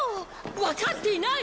わかっていない！